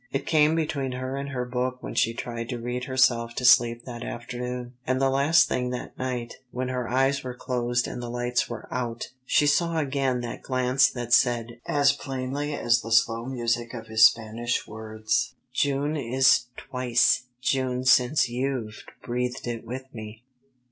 It came between her and her book when she tried to read herself to sleep that afternoon, and the last thing that night when her eyes were closed and the lights were out she saw again that glance that said as plainly as the slow music of his Spanish words, "June is twice June since you've breathed it with me."